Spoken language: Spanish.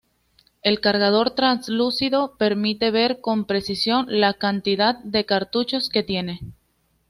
El cargador translúcido permite ver con precisión la cantidad de cartuchos que tiene.